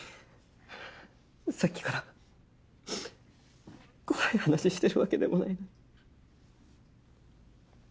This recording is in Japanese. さっきから怖い話してるわけでもないのに。